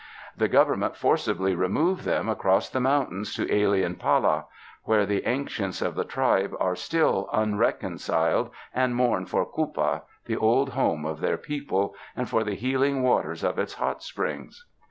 The Government forcibly removed them across the mountains to alien Pala, where the ancients of the tribe are still unreconciled and mourn for Cupa, the old home of their people, and for the healing waters of its hot springs.